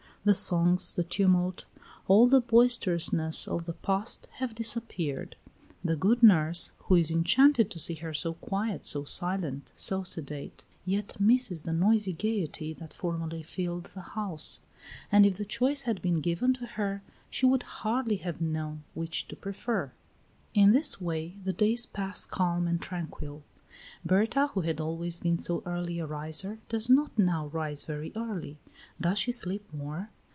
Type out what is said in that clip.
The songs, the tumult, all the boisterousness of the past have disappeared. The good nurse, who is enchanted to see her so quiet, so silent, so sedate, yet misses the noisy gayety that formerly filled the house; and if the choice had been given to her, she would hardly have known which to prefer. In this way the days pass calm and tranquil. Berta, who had always been so early a riser, does not now rise very early. Does she sleep more?